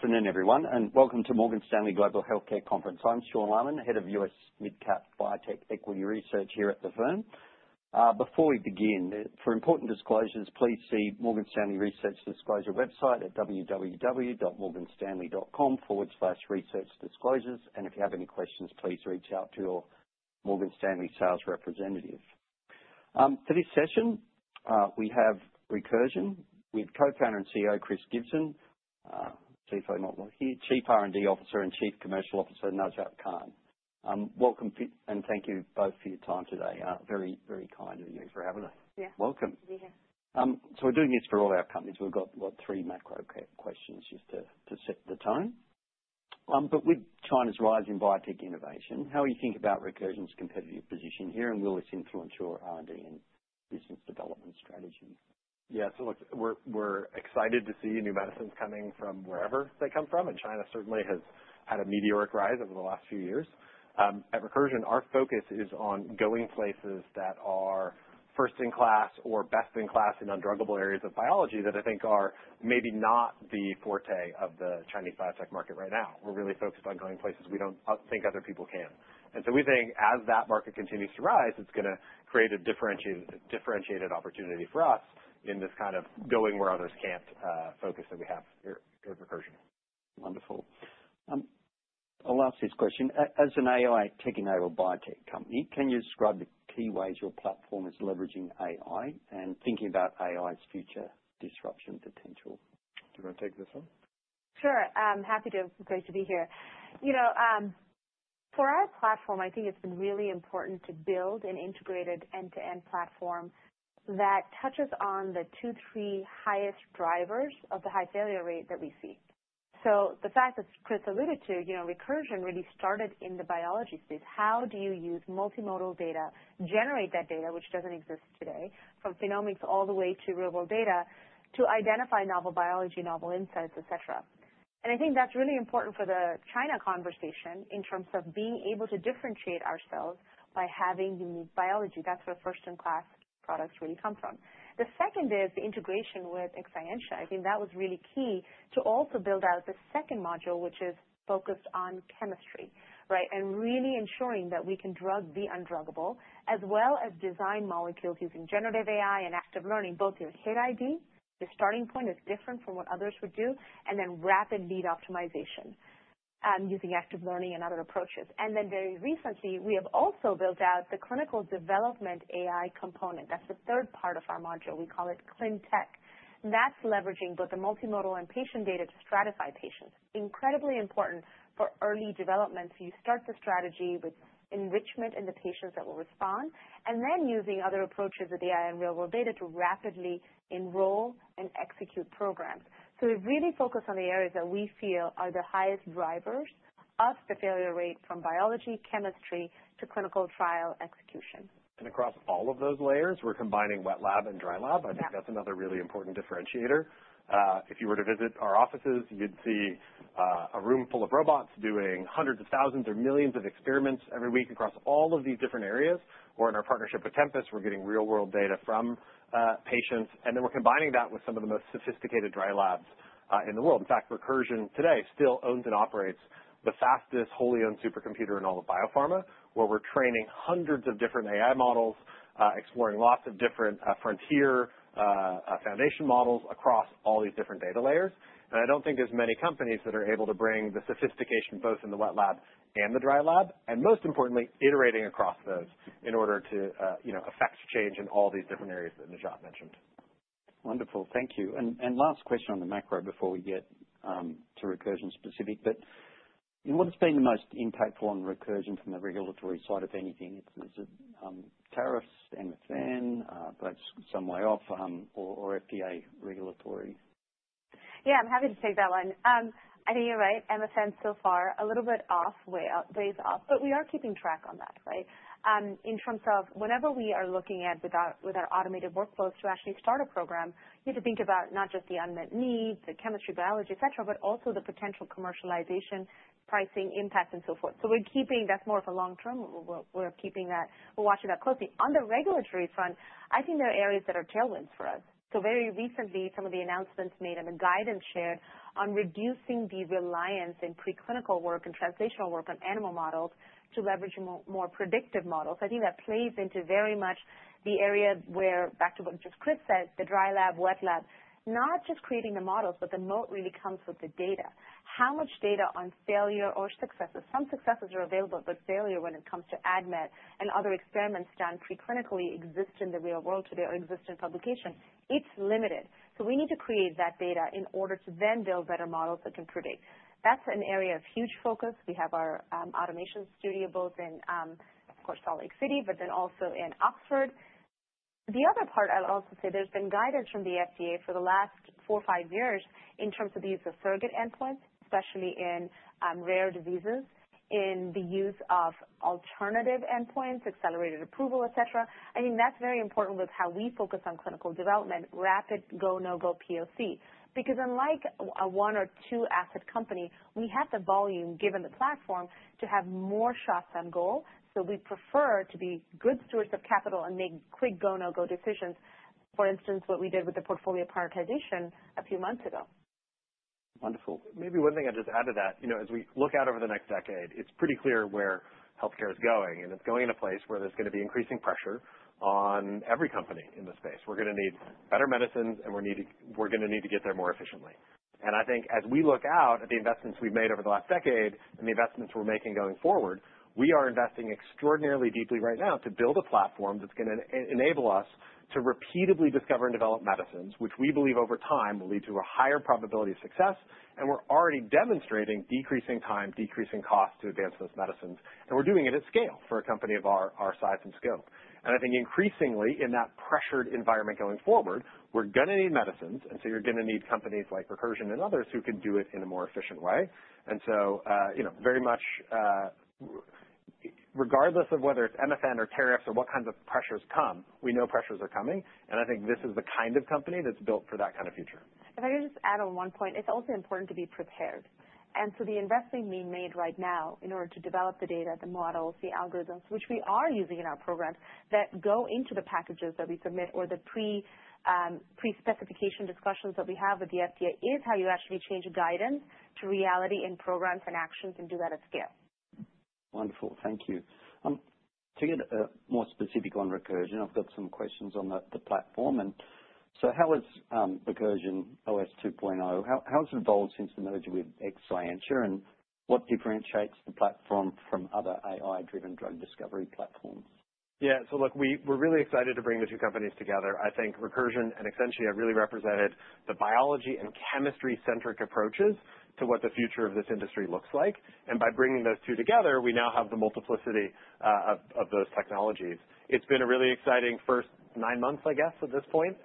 Good afternoon, everyone, and welcome to Morgan Stanley Global Healthcare Conference. I'm Sean Lammon, Head of U.S. Midcap Biotech Equity Research here at the firm. Before we begin, for important disclosures, please see Morgan Stanley Research Disclosure website at www.morganstanley.com/researchdisclosures. And if you have any questions, please reach out to your Morgan Stanley sales representative. For this session, we have Recursion with Co-founder and CEO Chris Gibson, CFO not here, Chief R&D Officer and Chief Commercial Officer Najat Khan. Welcome and thank you both for your time today. Very, very kind of you for having us. Yeah. Welcome. Thank you. So we're doing this for all our companies. We've got, what, three macro questions just to set the tone. But with China's rising biotech innovation, how do you think about Recursion's competitive position here and will this influence your R&D and business development strategy? Yeah, so look, we're excited to see new medicines coming from wherever they come from, and China certainly has had a meteoric rise over the last few years. At Recursion, our focus is on going places that are first in class or best in class in undruggable areas of biology that I think are maybe not the forte of the Chinese biotech market right now. We're really focused on going places we don't think other people can. We think as that market continues to rise, it's gonna create a differentiated opportunity for us in this kind of going where others can't, focus that we have here at Recursion. Wonderful. A last question. As an AI, taking over a biotech company, can you describe the key ways your platform is leveraging AI and thinking about AI's future disruption potential? Do you wanna take this one? Sure. Happy to, great to be here. You know, for our platform, I think it's been really important to build an integrated end-to-end platform that touches on the two, three highest drivers of the high failure rate that we see. So the fact that Chris alluded to, you know, Recursion really started in the biology space. How do you use multimodal data, generate that data, which doesn't exist today, from phenomics all the way to real-world data to identify novel biology, novel insights, etc.? And I think that's really important for the China conversation in terms of being able to differentiate ourselves by having unique biology. That's where first-in-class products really come from. The second is the integration with Exscientia. I think that was really key to also build out the second module, which is focused on chemistry, right, and really ensuring that we can drug the undruggable as well as design molecules using generative AI and active learning, both your hit ID, your starting point is different from what others would do, and then rapid lead optimization, using active learning and other approaches, and then very recently, we have also built out the clinical development AI component. That's the third part of our module. We call it ClinTech. That's leveraging both the multimodal and patient data to stratify patients, incredibly important for early development, so you start the strategy with enrichment in the patients that will respond, and then using other approaches with AI and real-world data to rapidly enroll and execute programs. So we really focus on the areas that we feel are the highest drivers of the failure rate from biology, chemistry, to clinical trial execution. And across all of those layers, we're combining wet lab and dry lab. I think that's another really important differentiator. If you were to visit our offices, you'd see a room full of robots doing hundreds of thousands or millions of experiments every week across all of these different areas. Or in our partnership with Tempus, we're getting real-world data from patients, and then we're combining that with some of the most sophisticated dry labs in the world. In fact, Recursion today still owns and operates the fastest wholly-owned supercomputer in all of biopharma, where we're training hundreds of different AI models, exploring lots of different frontier foundation models across all these different data layers. I don't think there's many companies that are able to bring the sophistication both in the wet lab and the dry lab, and most importantly, iterating across those in order to, you know, effect change in all these different areas that Najat mentioned. Wonderful. Thank you. And last question on the macro before we get to Recursion specific, but you know, what's been the most impactful on Recursion from the regulatory side of anything? Is it tariffs, MFN, but some way off, or FDA regulatory? Yeah, I'm happy to take that one. I think you're right. MFN so far, a little bit off, way out, ways off, but we are keeping track on that, right? In terms of whenever we are looking at with our, with our automated workflows to actually start a program, you have to think about not just the unmet needs, the chemistry, biology, etc., but also the potential commercialization, pricing, impact, and so forth. So we're keeping that's more of a long-term. We're keeping that. We're watching that closely. On the regulatory front, I think there are areas that are tailwinds for us. So very recently, some of the announcements made and the guidance shared on reducing the reliance in preclinical work and translational work on animal models to leverage more predictive models. I think that plays into very much the area where, back to what just Chris said, the dry lab, wet lab, not just creating the models, but the moat really comes with the data. How much data on failure or successes? Some successes are available, but failure when it comes to ADMET and other experiments done preclinically exist in the real world today or exist in publication. It's limited. So we need to create that data in order to then build better models that can predict. That's an area of huge focus. We have our automation studio both in, of course, Salt Lake City, but then also in Oxford. The other part I'll also say, there's been guidance from the FDA for the last four, five years in terms of the use of surrogate endpoints, especially in rare diseases, in the use of alternative endpoints, accelerated approval, etc. I think that's very important with how we focus on clinical development, rapid go, no-go POC, because unlike a one or two-asset company, we have the volume given the platform to have more shots on goal. So we prefer to be good stewards of capital and make quick go, no-go decisions, for instance, what we did with the portfolio prioritization a few months ago. Wonderful. Maybe one thing I'd just add to that, you know, as we look out over the next decade, it's pretty clear where healthcare is going, and it's going in a place where there's gonna be increasing pressure on every company in the space. We're gonna need better medicines, and we're gonna need to get there more efficiently. And I think as we look out at the investments we've made over the last decade and the investments we're making going forward, we are investing extraordinarily deeply right now to build a platform that's gonna enable us to repeatedly discover and develop medicines, which we believe over time will lead to a higher probability of success. And we're already demonstrating decreasing time, decreasing cost to advance those medicines, and we're doing it at scale for a company of our size and scope. I think increasingly in that pressured environment going forward, we're gonna need medicines, and so you're gonna need companies like Recursion and others who can do it in a more efficient way. So, you know, very much, regardless of whether it's MFN or tariffs or what kinds of pressures come, we know pressures are coming, and I think this is the kind of company that's built for that kind of future. If I can just add on one point, it's also important to be prepared, and so the investment being made right now in order to develop the data, the models, the algorithms, which we are using in our programs that go into the packages that we submit or the pre, pre-specification discussions that we have with the FDA is how you actually change guidance to reality in programs and actions and do that at scale. Wonderful. Thank you. To get a more specific on Recursion, I've got some questions on the platform. How has Recursion OS 2.0 evolved since the merger with Exscientia, and what differentiates the platform from other AI-driven drug discovery platforms? Yeah. So look, we're really excited to bring the two companies together. I think Recursion and Exscientia really represented the biology and chemistry-centric approaches to what the future of this industry looks like. And by bringing those two together, we now have the multiplicity of those technologies. It's been a really exciting first nine months, I guess, at this point.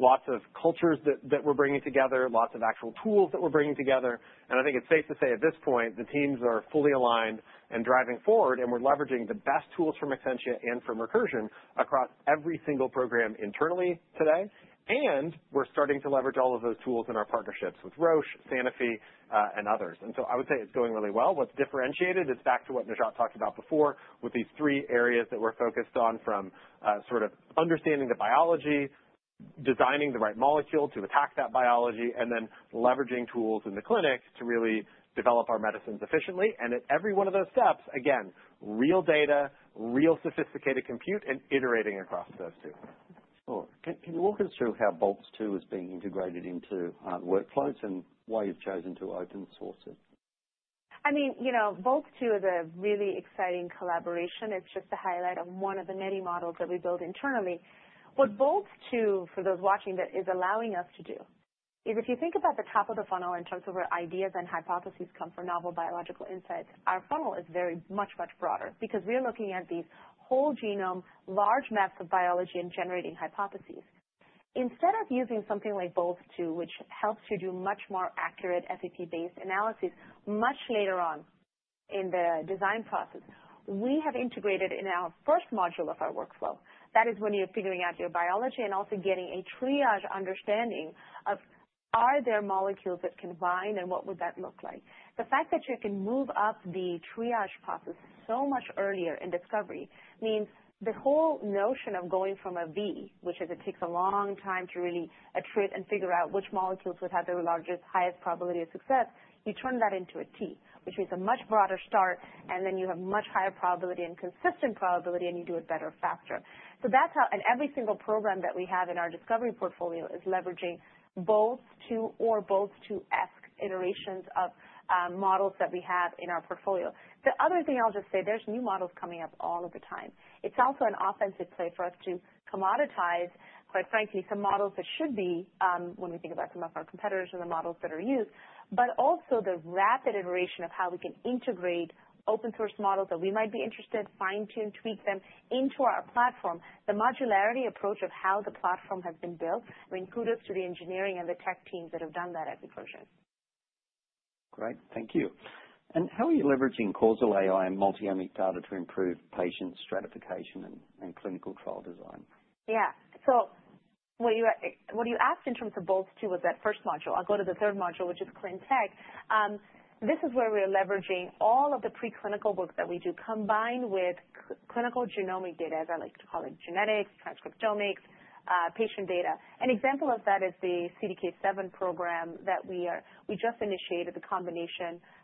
Lots of cultures that we're bringing together, lots of actual tools that we're bringing together. And I think it's safe to say at this point, the teams are fully aligned and driving forward, and we're leveraging the best tools from Exscientia and from Recursion across every single program internally today. And we're starting to leverage all of those tools in our partnerships with Roche, Sanofi, and others. And so I would say it's going really well. What's differentiated, it's back to what Najat talked about before with these three areas that we're focused on from, sort of understanding the biology, designing the right molecule to attack that biology, and then leveraging tools in the clinic to really develop our medicines efficiently. And at every one of those steps, again, real data, real sophisticated compute, and iterating across those two. Sure. Can you walk us through how Boltz-2 is being integrated into workflows and why you've chosen to open-source it? I mean, you know, Boltz-2 is a really exciting collaboration. It's just a highlight of one of the many models that we build internally. What Boltz-2, for those watching, is allowing us to do is if you think about the top of the funnel in terms of where ideas and hypotheses come from novel biological insights, our funnel is very much, much broader because we are looking at these whole genome, large maps of biology and generating hypotheses. Instead of using something like Boltz-2, which helps you do much more accurate FEP-based analysis much later on in the design process, we have integrated in our first module of our workflow. That is when you're figuring out your biology and also getting a triage understanding of are there molecules that can bind, and what would that look like? The fact that you can move up the triage process so much earlier in discovery means the whole notion of going from a V, which is it takes a long time to really attrit and figure out which molecules would have the largest, highest probability of success, you turn that into a T, which means a much broader start, and then you have much higher probability and consistent probability, and you do it better, faster, so that's how, and every single program that we have in our discovery portfolio is leveraging Boltz-2 or Boltz-2-esque iterations of models that we have in our portfolio. The other thing I'll just say, there's new models coming up all of the time. It's also an offensive play for us to commoditize, quite frankly, some models that should be, when we think about some of our competitors and the models that are used, but also the rapid iteration of how we can integrate open-source models that we might be interested in, fine-tune, tweak them into our platform. The modularity approach of how the platform has been built will include us to the engineering and the tech teams that have done that at Recursion. Great. Thank you. And how are you leveraging causal AI and multi-omic data to improve patient stratification and clinical trial design? Yeah. So what you asked in terms of Boltz-2 was that first module. I'll go to the third module, which is ClinTech. This is where we're leveraging all of the preclinical work that we do combined with clinical genomic data, as I like to call it, genetics, transcriptomics, patient data. An example of that is the CDK7 program that we just initiated the combination for.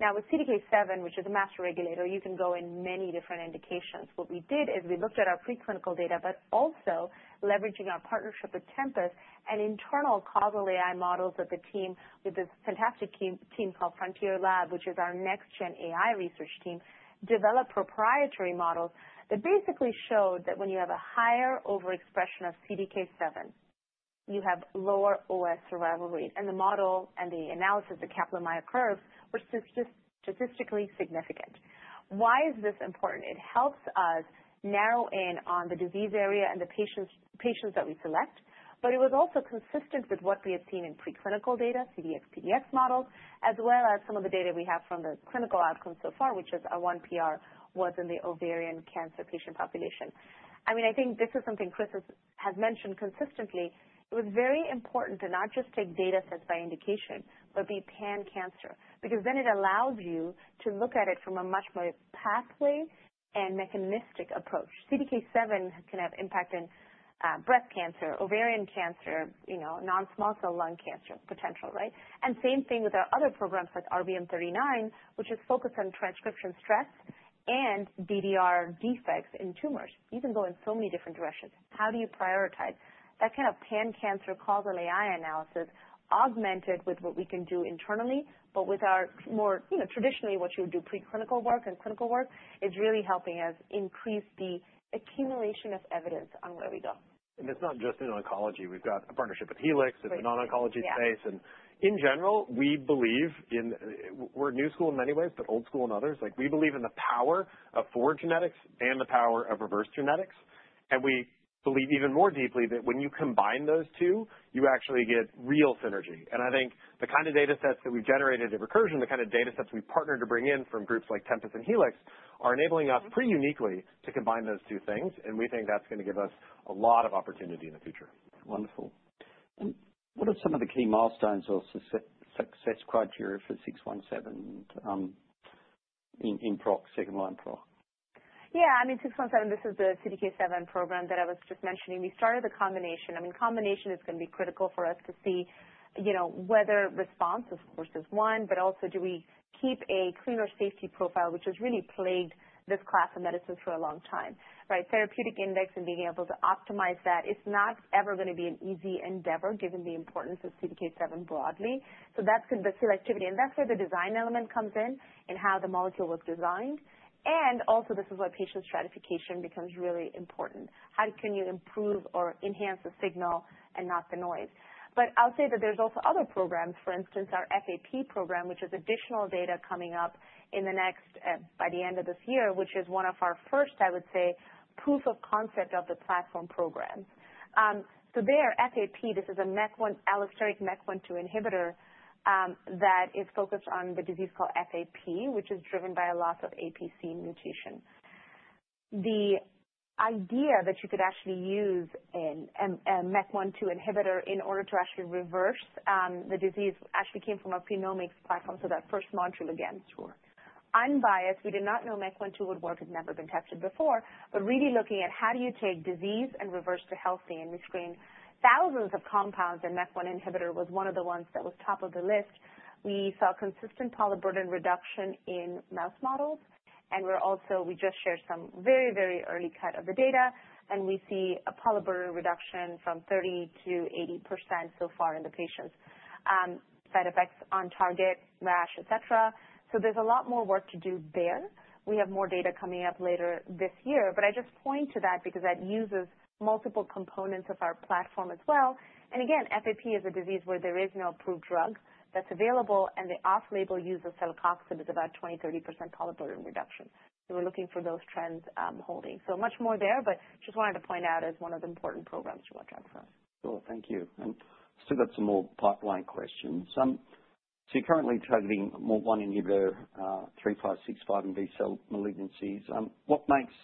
Now, with CDK7, which is a master regulator, you can go in many different indications. What we did is we looked at our preclinical data, but also leveraging our partnership with Tempus and internal causal AI models that the team, this fantastic team called Frontier Lab, which is our next-gen AI research team, developed proprietary models that basically showed that when you have a higher overexpression of CDK7, you have lower OS survival rate, and the model and the analysis, the Kaplan-Meier curves, which is just statistically significant. Why is this important? It helps us narrow in on the disease area and the patients, patients that we select, but it was also consistent with what we had seen in preclinical data, CDX/PDX models, as well as some of the data we have from the clinical outcome so far, which is our one PR was in the ovarian cancer patient population. I mean, I think this is something Chris has mentioned consistently. It was very important to not just take data sets by indication, but be pan-cancer because then it allows you to look at it from a much more pathway and mechanistic approach. CDK7 can have impact in breast cancer, ovarian cancer, you know, non-small cell lung cancer potential, right? And same thing with our other programs like RBM39, which is focused on transcription stress and DDR defects in tumors. You can go in so many different directions. How do you prioritize? That kind of pan-cancer causal AI analysis augmented with what we can do internally, but with our more, you know, traditionally what you would do preclinical work and clinical work is really helping us increase the accumulation of evidence on where we go. And it's not just in oncology. We've got a partnership with Helix in the non-oncology space. And in general, we believe in, we're new school in many ways, but old school in others. Like, we believe in the power of forward genetics and the power of reverse genetics. And we believe even more deeply that when you combine those two, you actually get real synergy. And I think the kind of data sets that we've generated at Recursion, the kind of data sets we partnered to bring in from groups like Tempus and Helix are enabling us pretty uniquely to combine those two things, and we think that's gonna give us a lot of opportunity in the future. Wonderful. And what are some of the key milestones or success criteria for REC-617, in PROC, second line PROC? Yeah. I mean, 617, this is the CDK7 program that I was just mentioning. We started the combination. I mean, combination is gonna be critical for us to see, you know, whether response, of course, is one, but also do we keep a cleaner safety profile, which has really plagued this class of medicines for a long time, right? Therapeutic index and being able to optimize that. It's not ever gonna be an easy endeavor given the importance of CDK7 broadly. So that's gonna be the selectivity. And that's where the design element comes in and how the molecule was designed. And also, this is why patient stratification becomes really important. How can you improve or enhance the signal and not the noise? But I'll say that there's also other programs. For instance, our FAP program, which is additional data coming up in the next, by the end of this year, which is one of our first, I would say, proof of concept of the platform program. So there, FAP, this is a MEK1, allosteric MEK1/2 inhibitor, that is focused on the disease called FAP, which is driven by a loss of APC mutation. The idea that you could actually use an, a MEK1/2 inhibitor in order to actually reverse, the disease actually came from a phenomics platform. So that first module again through unbiased, we did not know MEK1/2 would work. It's never been tested before, but really looking at how do you take disease and reverse to healthy and we screen thousands of compounds, and MEK1 inhibitor was one of the ones that was top of the list. We saw consistent polyp burden reduction in mouse models, and we're also, we just shared some very, very early cut of the data, and we see a polyp burden reduction from 30%-80% so far in the patients, side effects on target, rash, etc. So there's a lot more work to do there. We have more data coming up later this year, but I just point to that because that uses multiple components of our platform as well. And again, FAP is a disease where there is no approved drug that's available, and the off-label use of celecoxib is about 20%-30% polyp burden reduction. So we're looking for those trends, holding. So much more there, but just wanted to point out as one of the important programs to watch out for. Sure. Thank you. And I'll still get some more pipeline questions. So you're currently targeting MALT1 inhibitor REC-3565 in B-cell malignancies. What makes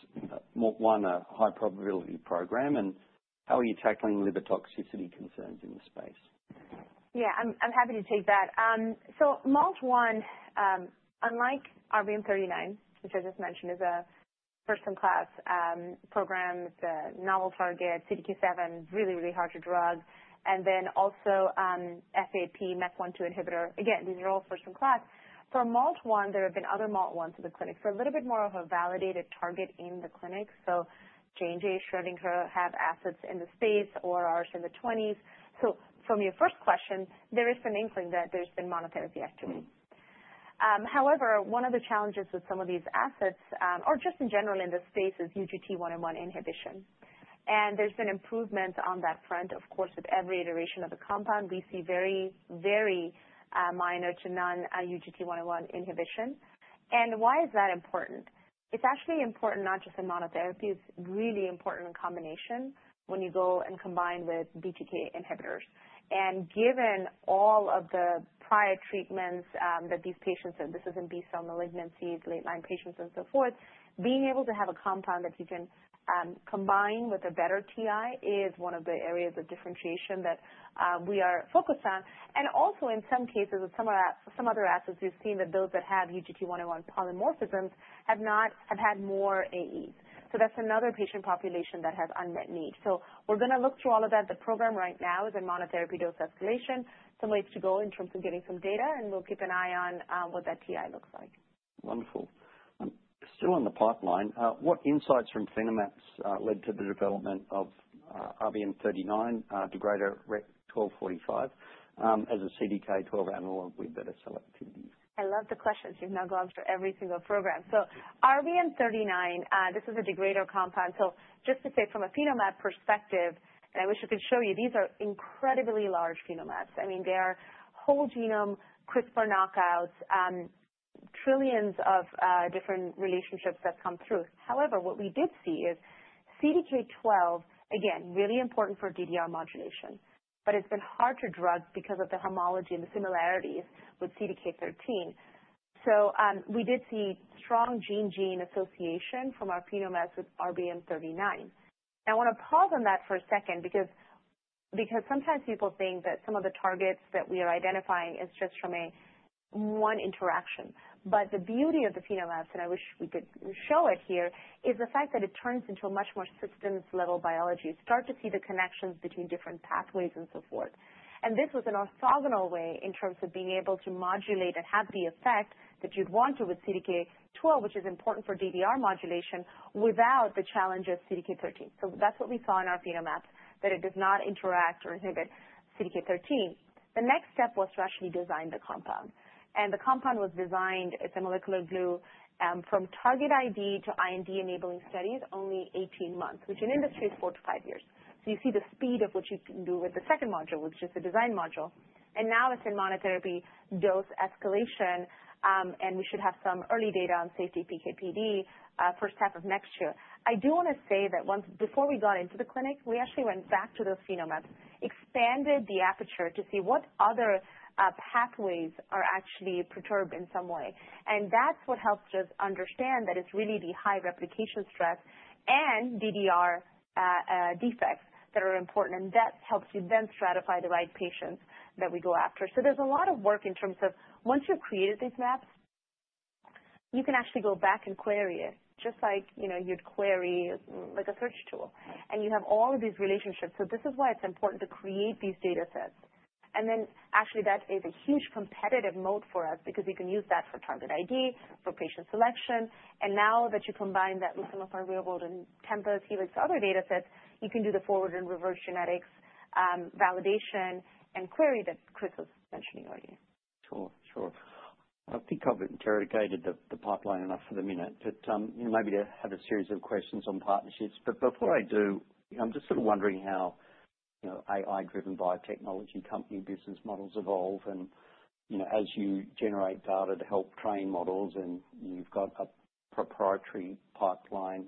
MALT1 a high-probability program, and how are you tackling liver toxicity concerns in the space? Yeah. I'm happy to take that. So MALT1, unlike RBM39, which I just mentioned, is a first-in-class program, the novel target, CDK7, really, really hard to drug. And then also, FAP MEK1/2 inhibitor, again, these are all first-in-class. For MALT1, there have been other MALT1s in the clinic. So a little bit more of a validated target in the clinic. So J&J, Schrödinger have assets in the space, ORRs in the 20s. So from your first question, there is some inkling that there's been monotherapy activity. However, one of the challenges with some of these assets, or just in general in the space, is UGT1A1 inhibition. And there's been improvements on that front, of course, with every iteration of the compound. We see very, very, minor to non-UGT1A1 inhibition. And why is that important? It's actually important not just in monotherapy. It's really important in combination when you go and combine with BTK inhibitors, and given all of the prior treatments that these patients have, this is in B-cell malignancies, late-line patients, and so forth, being able to have a compound that you can combine with a better TI is one of the areas of differentiation that we are focused on, and also, in some cases, with some of that, some other assets, we've seen that those that have UGT1A1 polymorphisms have had more AEs, so that's another patient population that has unmet needs, so we're gonna look through all of that. The program right now is in monotherapy dose escalation, some ways to go in terms of getting some data, and we'll keep an eye on what that TI looks like. Wonderful. Still on the pipeline, what insights from Phenomaps led to the development of RBM39 degrader REC-1245 as a CDK12 analog with better selectivity? I love the questions. You've now gone through every single program. So RBM39, this is a degrader compound. So just to say from a Phenomaps perspective, and I wish I could show you, these are incredibly large Phenomaps. I mean, they are whole genome CRISPR knockouts, trillions of different relationships that come through. However, what we did see is CDK12, again, really important for DDR modulation, but it's been hard to drug because of the homology and the similarities with CDK13. So, we did see strong gene-gene association from our Phenomaps with RBM39. Now, I wanna pause on that for a second because sometimes people think that some of the targets that we are identifying is just from a one interaction. But the beauty of the Phenomaps, and I wish we could show it here, is the fact that it turns into a much more systems-level biology. You start to see the connections between different pathways and so forth. And this was an orthogonal way in terms of being able to modulate and have the effect that you'd want to with CDK12, which is important for DDR modulation without the challenge of CDK13. So that's what we saw in our Phenomaps, that it does not interact or inhibit CDK13. The next step was to actually design the compound. And the compound was designed, it's a molecular glue, from target ID to IND enabling studies, only 18 months, which in industry is four to five years. So you see the speed of what you can do with the second module, which is the design module. And now it's in monotherapy dose escalation, and we should have some early data on safety PKPD, first half of next year. I do wanna say that once before we got into the clinic, we actually went back to those Phenomaps, expanded the aperture to see what other pathways are actually perturbed in some way. And that's what helps us understand that it's really the high replication stress and DDR defects that are important, and that helps you then stratify the right patients that we go after. So there's a lot of work in terms of once you've created these maps, you can actually go back and query it just like, you know, you'd query like a search tool. And you have all of these relationships. So this is why it's important to create these data sets. And then actually that is a huge competitive moat for us because you can use that for target ID, for patient selection. Now that you combine that with some of our real-world and Tempus, Helix, other data sets, you can do the forward and reverse genetics, validation and query that Chris was mentioning earlier. I think I've interrogated the pipeline enough for the minute, but, you know, maybe to have a series of questions on partnerships. But before I do, I'm just sort of wondering how, you know, AI-driven biotechnology company business models evolve. And, you know, as you generate data to help train models and you've got a proprietary pipeline,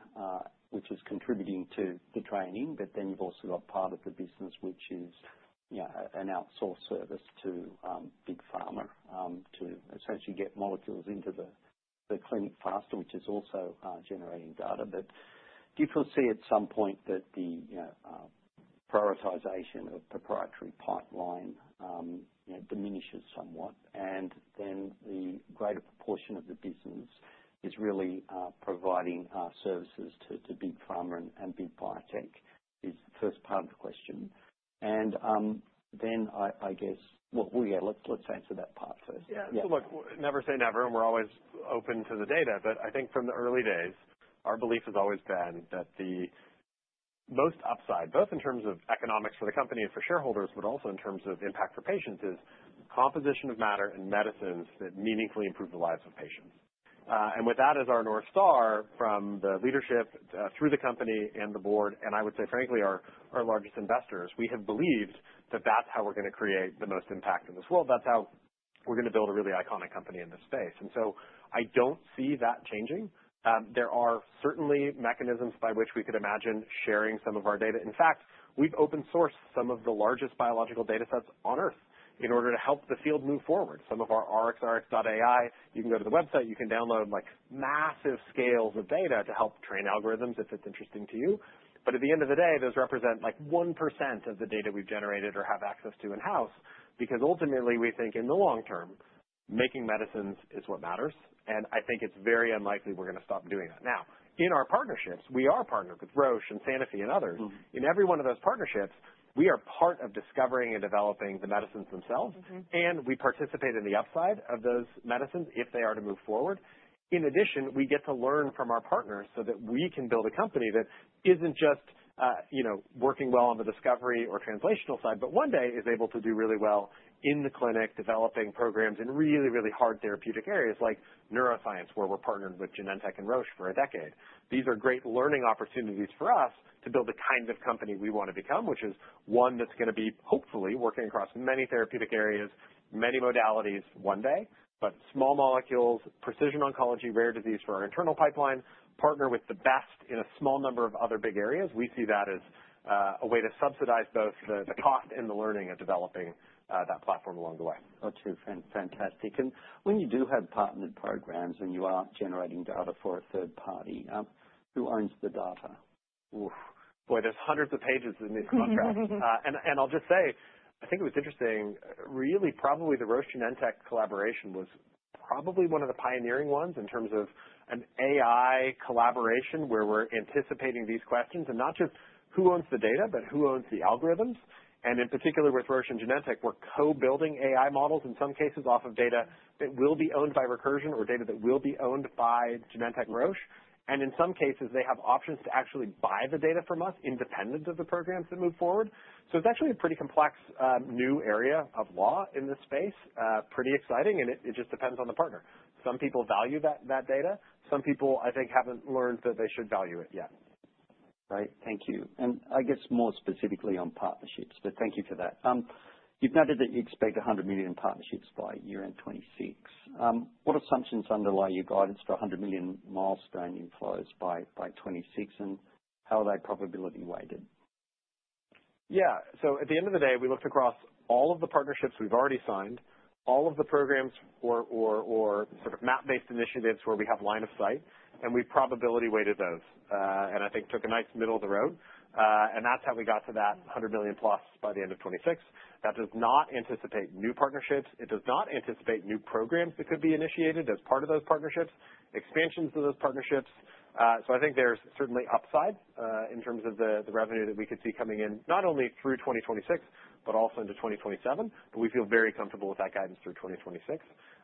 which is contributing to the training, but then you've also got part of the business, which is, you know, an outsourced service to Big Pharma, to essentially get molecules into the clinic faster, which is also generating data. But do you foresee at some point that the, you know, prioritization of proprietary pipeline, you know, diminishes somewhat? And then the greater proportion of the business is really providing services to Big Pharma and Big Biotech is the first part of the question. And then I guess, well, yeah, let's answer that part first. Yeah. So look, never say never, and we're always open to the data. But I think from the early days, our belief has always been that the most upside, both in terms of economics for the company and for shareholders, but also in terms of impact for patients, is composition of matter and medicines that meaningfully improve the lives of patients, and with that as our North Star from the leadership, through the company and the board, and I would say frankly our largest investors, we have believed that that's how we're gonna create the most impact in this world. That's how we're gonna build a really iconic company in this space. And so I don't see that changing. There are certainly mechanisms by which we could imagine sharing some of our data. In fact, we've open-sourced some of the largest biological data sets on Earth in order to help the field move forward. Some of our RxRx.ai, you can go to the website, you can download like massive scales of data to help train algorithms if it's interesting to you. But at the end of the day, those represent like 1% of the data we've generated or have access to in-house because ultimately we think in the long term, making medicines is what matters, and I think it's very unlikely we're gonna stop doing that. Now, in our partnerships, we are partnered with Roche and Sanofi and others. In every one of those partnerships, we are part of discovering and developing the medicines themselves. We participate in the upside of those medicines if they are to move forward. In addition, we get to learn from our partners so that we can build a company that isn't just, you know, working well on the discovery or translational side, but one day is able to do really well in the clinic developing programs in really, really hard therapeutic areas like neuroscience, where we're partnered with Genentech and Roche for a decade. These are great learning opportunities for us to build the kind of company we wanna become, which is one that's gonna be hopefully working across many therapeutic areas, many modalities one day. Small molecules, precision oncology, rare disease for our internal pipeline, partner with the best in a small number of other big areas. We see that as a way to subsidize both the cost and the learning of developing that platform along the way. That's fantastic. And when you do have partnered programs and you are generating data for a third party, who owns the data? Oof. Boy, there's hundreds of pages in these contracts. And I'll just say, I think it was interesting. Really probably the Roche Genentech collaboration was probably one of the pioneering ones in terms of an AI collaboration where we're anticipating these questions and not just who owns the data, but who owns the algorithms. And in particular with Roche and Genentech, we're co-building AI models in some cases off of data that will be owned by Recursion or data that will be owned by Genentech, Roche. And in some cases, they have options to actually buy the data from us independent of the programs that move forward. So it's actually a pretty complex, new area of law in this space, pretty exciting, and it just depends on the partner. Some people value that data. Some people, I think, haven't learned that they should value it yet. Great. Thank you. And I guess more specifically on partnerships, but thank you for that. You've noted that you expect $100 million partnerships by year end 2026. What assumptions underlie your guidance for $100 million milestone inflows by 2026, and how are they probability-weighted? Yeah, so at the end of the day, we looked across all of the partnerships we've already signed, all of the programs or sort of map-based initiatives where we have line of sight, and we probability-weighted those, and I think took a nice middle of the road, and that's how we got to that $100 million plus by the end of 2026. That does not anticipate new partnerships. It does not anticipate new programs that could be initiated as part of those partnerships, expansions of those partnerships, so I think there's certainly upside in terms of the revenue that we could see coming in not only through 2026, but also into 2027, but we feel very comfortable with that guidance through 2026.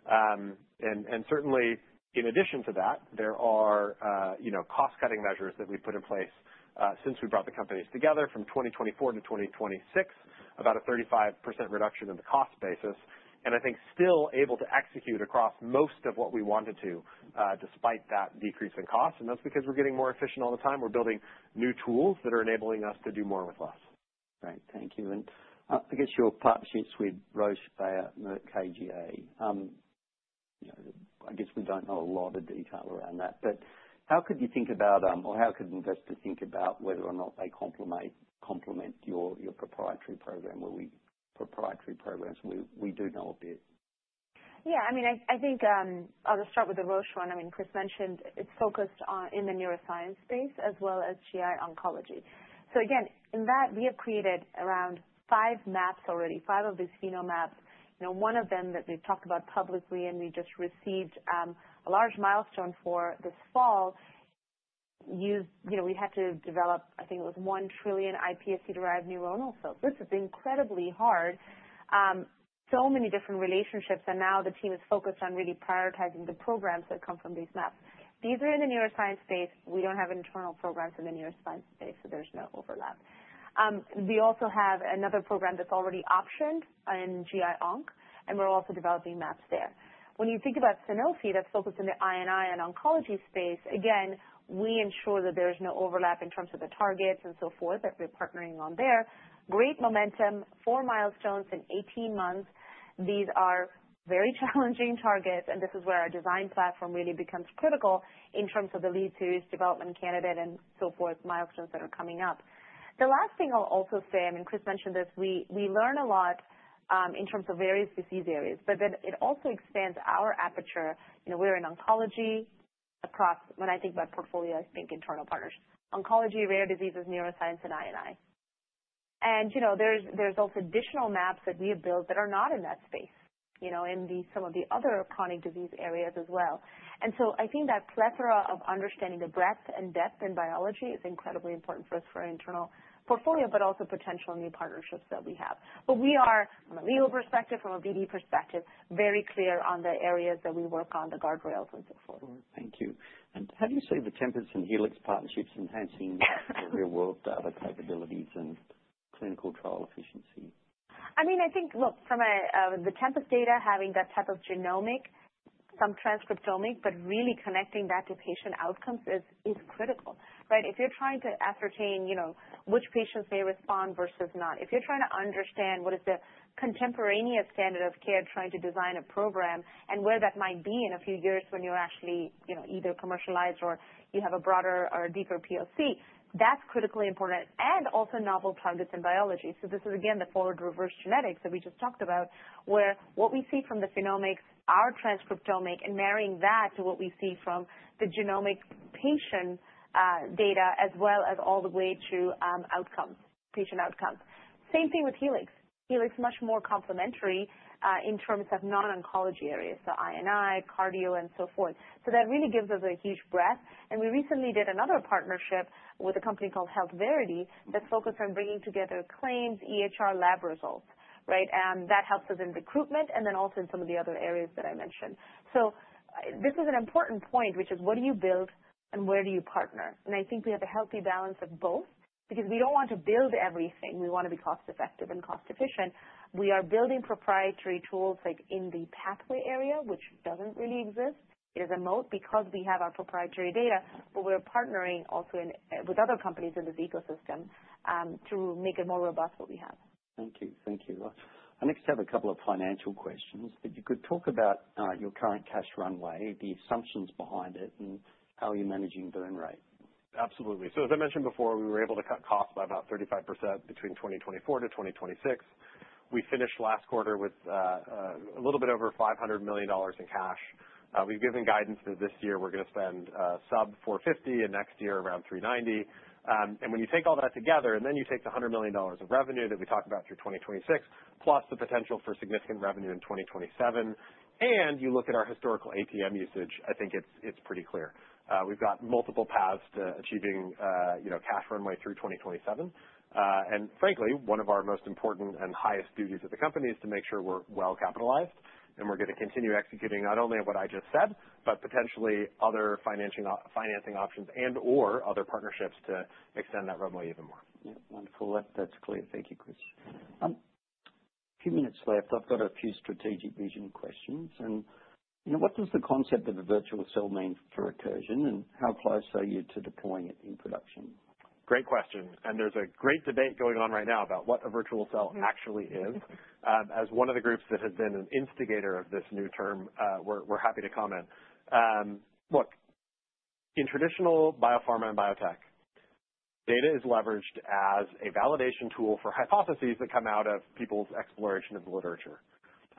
And certainly in addition to that, there are, you know, cost-cutting measures that we've put in place, since we brought the companies together from 2024 to 2026, about a 35% reduction in the cost basis. And I think still able to execute across most of what we wanted to, despite that decrease in cost. And that's because we're getting more efficient all the time. We're building new tools that are enabling us to do more with less. Great. Thank you. I guess your partnerships with Roche, Bayer, Merck KGaA, you know, I guess we don't know a lot of detail around that, but how could you think about, or how could investors think about whether or not they complement your proprietary programs we do know a bit? Yeah. I mean, I, I think, I'll just start with the Roche one. I mean, Chris mentioned it's focused on in the neuroscience space as well as GI oncology. So again, in that, we have created around five maps already, five of these Phenomaps. You know, one of them that we've talked about publicly and we just received a large milestone for this fall used, you know, we had to develop, I think it was one trillion iPSC-derived neuronal cells. This is incredibly hard. So many different relationships, and now the team is focused on really prioritizing the programs that come from these maps. These are in the neuroscience space. We don't have internal programs in the neuroscience space, so there's no overlap. We also have another program that's already optioned in GI oncology, and we're also developing maps there. When you think about Sanofi that's focused in the I&I and oncology space, again, we ensure that there's no overlap in terms of the targets and so forth that we're partnering on there. Great momentum, four milestones in 18 months. These are very challenging targets, and this is where our design platform really becomes critical in terms of the lead series development candidate and so forth, milestones that are coming up. The last thing I'll also say, I mean, Chris mentioned this, we learn a lot, in terms of various disease areas, but then it also expands our aperture. You know, we're in oncology across when I think about portfolio, I think internal partners, oncology, rare diseases, neuroscience, and I&I. And, you know, there's also additional maps that we have built that are not in that space, you know, in some of the other chronic disease areas as well. And so I think that plethora of understanding the breadth and depth in biology is incredibly important for us for our internal portfolio, but also potential new partnerships that we have. But we are, from a legal perspective, from an IP perspective, very clear on the areas that we work on, the guardrails and so forth. Thank you. And how do you see the Tempus and Helix partnerships enhancing the real-world data capabilities and clinical trial efficiency? I mean, I think, look, from the Tempus data, having that type of genomic, some transcriptomic, but really connecting that to patient outcomes is critical, right? If you're trying to ascertain, you know, which patients may respond versus not, if you're trying to understand what is the contemporaneous standard of care, trying to design a program and where that might be in a few years when you're actually, you know, either commercialized or you have a broader or deeper POC, that's critically important. And also novel targets in biology. So this is again the forward reverse genetics that we just talked about, where what we see from the phenomics, our transcriptomic, and marrying that to what we see from the genomic patient data as well as all the way to outcomes, patient outcomes. Same thing with Helix. Helix is much more complementary, in terms of non-oncology areas, so I&I, cardio, and so forth. So that really gives us a huge breadth. And we recently did another partnership with a company called HealthVerity that's focused on bringing together claims, EHR lab results, right? And that helps us in recruitment and then also in some of the other areas that I mentioned. So this is an important point, which is what do you build and where do you partner? And I think we have a healthy balance of both because we don't want to build everything. We wanna be cost-effective and cost-efficient. We are building proprietary tools like in the pathway area, which doesn't really exist. It is a moat because we have our proprietary data, but we're partnering also in, with other companies in this ecosystem, to make it more robust what we have. Thank you. Thank you. I next have a couple of financial questions. But you could talk about your current cash runway, the assumptions behind it, and how are you managing burn rate? Absolutely. So as I mentioned before, we were able to cut costs by about 35% between 2024 to 2026. We finished last quarter with a little bit over $500 million in cash. We've given guidance that this year we're gonna spend sub 450 and next year around 390. And when you take all that together and then you take the $100 million of revenue that we talked about through 2026, plus the potential for significant revenue in 2027, and you look at our historical ATM usage, I think it's pretty clear. We've got multiple paths to achieving, you know, cash runway through 2027. And frankly, one of our most important and highest duties of the company is to make sure we're well capitalized. We're gonna continue executing not only what I just said, but potentially other financing options and/or other partnerships to extend that runway even more. Yeah. Wonderful. That's clear. Thank you, Chris. A few minutes left. I've got a few strategic vision questions. You know, what does the concept of a virtual cell mean for Recursion, and how close are you to deploying it in production? Great question. And there's a great debate going on right now about what a virtual cell actually is. As one of the groups that has been an instigator of this new term, we're happy to comment. Look, in traditional biopharma and biotech, data is leveraged as a validation tool for hypotheses that come out of people's exploration of the literature.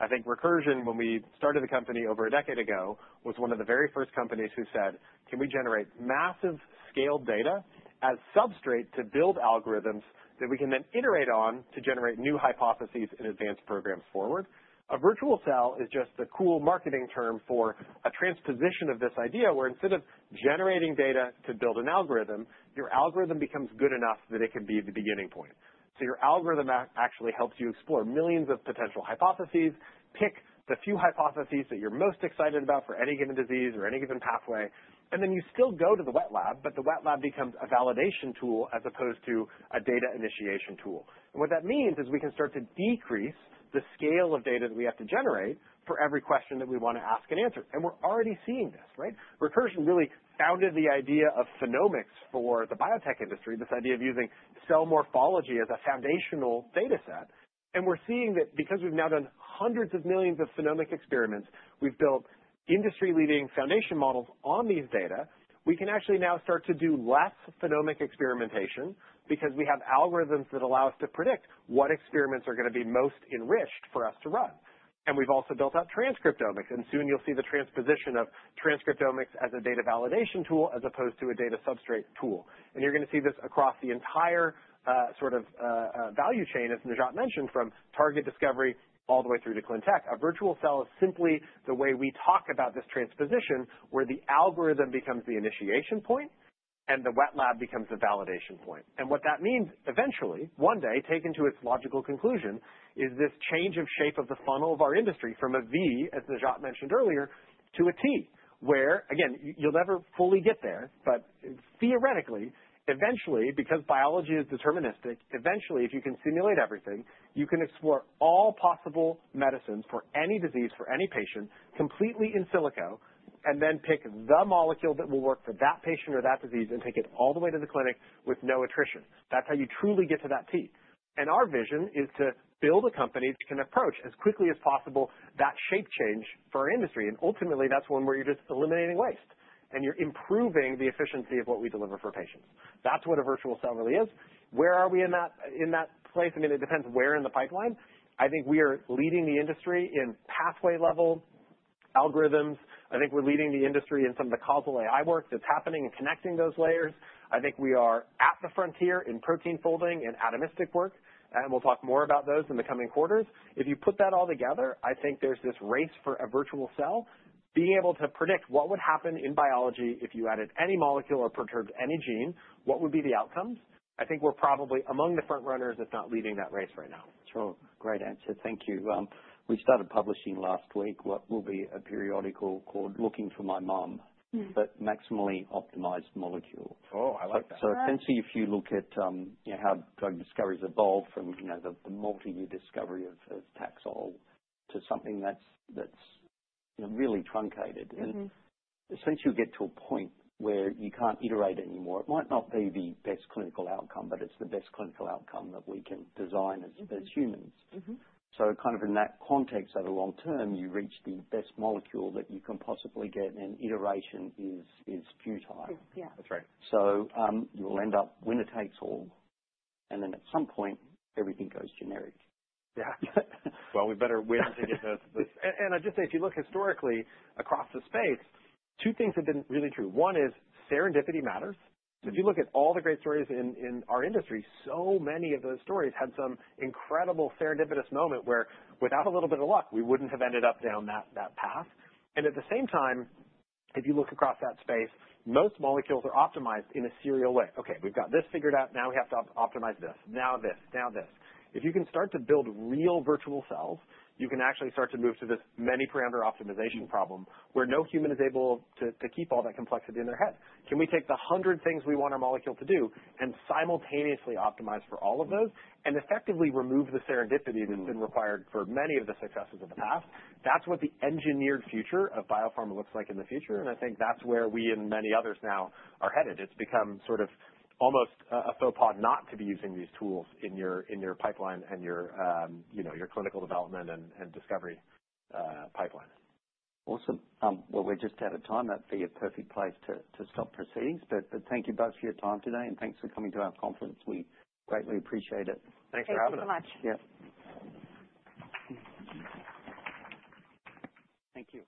I think Recursion, when we started the company over a decade ago, was one of the very first companies who said, "Can we generate massive scaled data as substrate to build algorithms that we can then iterate on to generate new hypotheses and advanced programs forward?" A virtual cell is just the cool marketing term for a transposition of this idea where instead of generating data to build an algorithm, your algorithm becomes good enough that it can be the beginning point. Your algorithm actually helps you explore millions of potential hypotheses, pick the few hypotheses that you're most excited about for any given disease or any given pathway, and then you still go to the wet lab, but the wet lab becomes a validation tool as opposed to a data initiation tool. What that means is we can start to decrease the scale of data that we have to generate for every question that we wanna ask and answer. We're already seeing this, right? Recursion really founded the idea of phenomics for the biotech industry, this idea of using cell morphology as a foundational data set. We're seeing that because we've now done hundreds of millions of phenomic experiments; we've built industry-leading foundation models on these data. We can actually now start to do less phenomic experimentation because we have algorithms that allow us to predict what experiments are gonna be most enriched for us to run. And we've also built out transcriptomics, and soon you'll see the transposition of transcriptomics as a data validation tool as opposed to a data substrate tool. And you're gonna see this across the entire, sort of, value chain, as Najat mentioned, from target discovery all the way through to ClinTech. A virtual cell is simply the way we talk about this transposition where the algorithm becomes the initiation point and the wet lab becomes the validation point. And what that means eventually, one day, taken to its logical conclusion, is this change of shape of the funnel of our industry from a V, as Najat mentioned earlier, to a T, where, again, you'll never fully get there, but theoretically, eventually, because biology is deterministic, eventually, if you can simulate everything, you can explore all possible medicines for any disease, for any patient, completely in silico, and then pick the molecule that will work for that patient or that disease and take it all the way to the clinic with no attrition. That's how you truly get to that T. And our vision is to build a company that can approach as quickly as possible that shape change for our industry. And ultimately, that's one where you're just eliminating waste, and you're improving the efficiency of what we deliver for patients. That's what a virtual cell really is. Where are we in that, in that place? I mean, it depends where in the pipeline. I think we are leading the industry in pathway-level algorithms. I think we're leading the industry in some of the causal AI work that's happening and connecting those layers. I think we are at the frontier in protein folding and atomistic work, and we'll talk more about those in the coming quarters. If you put that all together, I think there's this race for a virtual cell. Being able to predict what would happen in biology if you added any molecule or perturbed any gene, what would be the outcomes? I think we're probably among the front runners, if not leading that race right now. Sure. Great answer. Thank you. We started publishing last week what will be a periodical called Looking for MOM. But maximally optimized molecule. Oh, I like that. Essentially, if you look at, you know, how drug discoveries evolve from, you know, the multi-year discovery of Taxol to something that's, you know, really truncated. Essentially, you get to a point where you can't iterate anymore. It might not be the best clinical outcome, but it's the best clinical outcome that we can design as humans. Kind of in that context of a long term, you reach the best molecule that you can possibly get, and iteration is futile. Yeah. That's right. So, you will end up winner takes all, and then at some point, everything goes generic. Yeah. Well, we better wait until you get those. And I'll just say, if you look historically across the space, two things have been really true. One is serendipity matters. So if you look at all the great stories in our industry, so many of those stories had some incredible serendipitous moment where, without a little bit of luck, we wouldn't have ended up down that path. And at the same time, if you look across that space, most molecules are optimized in a serial way. Okay, we've got this figured out. Now we have to optimize this. Now this. Now this. If you can start to build real virtual cells, you can actually start to move to this many-parameter optimization problem where no human is able to keep all that complexity in their head. Can we take the hundred things we want our molecule to do and simultaneously optimize for all of those and effectively remove the serendipity that's been required for many of the successes of the past? That's what the engineered future of biopharma looks like in the future, and I think that's where we and many others now are headed. It's become sort of almost a faux pas not to be using these tools in your pipeline and, you know, your clinical development and discovery pipeline. Awesome. Well, we're just out of time. That'd be a perfect place to stop proceedings. But thank you both for your time today, and thanks for coming to our conference. We greatly appreciate it. Thanks for having us. Thank you so much. Yeah. Thank you.